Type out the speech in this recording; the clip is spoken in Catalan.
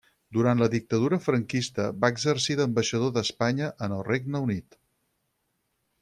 Durant la dictadura franquista va exercir d'ambaixador d'Espanya en el Regne Unit.